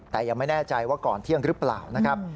แต่ยังไม่แน่ใจว่าก่อนเที่ยงหรือเปล่านะครับ